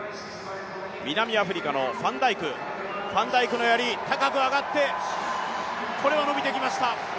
南アフリカのファンダイク、ファンダイクのやり、高く上がって、これは伸びてきました。